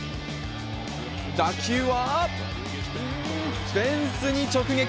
打球は、フェンスに直撃。